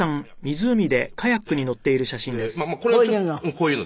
こういうの？